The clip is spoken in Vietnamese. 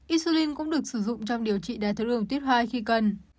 insulin cũng được sử dụng trong điều trị đáy tháo đường tuyết hai khi cần